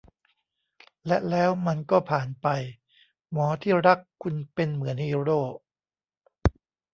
และแล้วมันก็ผ่านไป หมอที่รักคุณเป็นเหมือนฮีโร่